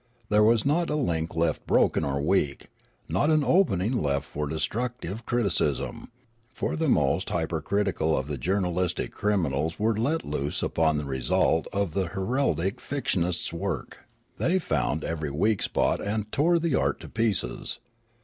There was not a link left broken or weak, not an open ing left for destructive criticism ; for the most h3'per critical of the journalistic criminals were let loose upon the result of the heraldic fictionists' work ; they found every weak spot and tore the art to pieces.